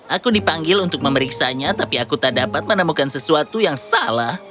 aku dipanggil untuk memeriksanya tapi aku tak dapat menemukan sesuatu yang salah